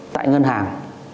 tại ngân hàng